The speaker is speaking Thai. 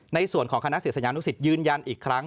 ในส่วนของคณะเสียสัญญานุศิษยืนยันอีกครั้ง